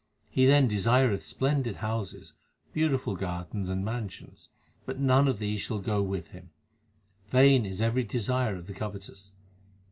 He then desiretk splendid houses, beautiful gardens, and mansions ; but none of these shall go with him. Vain is every desire of the covetous.